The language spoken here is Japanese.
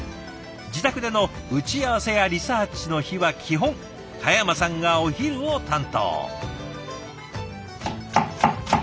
自宅での打ち合わせやリサーチの日は基本嘉山さんがお昼を担当。